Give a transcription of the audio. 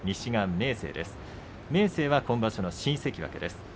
明生は今場所の新関脇です。